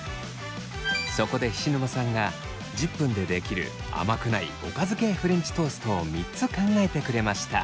そこで菱沼さんが１０分でできる甘くないおかず系フレンチトーストを３つ考えてくれました。